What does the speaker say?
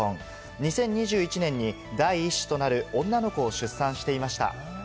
２０２１年に第１子となる女の子を出産していました。